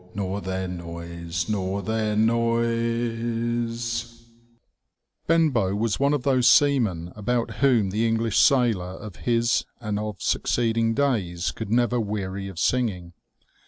Nor their noise, nor their noise I '" Benbow was one of those seamen about whom the English sailor of his and of succeeding days could never weary of singing.